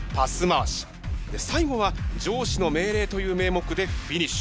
最後は上司の命令という名目でフィニッシュ。